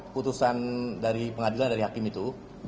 putusan dari pengadilan dari hakim itu